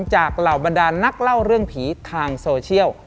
เหล่าบรรดานนักเล่าเรื่องผีทางโซเชียล